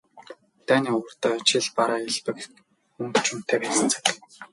Дайны урьд жил бараа элбэг, мөнгө ч үнэтэй байсан цаг.